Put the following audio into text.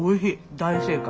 大正解。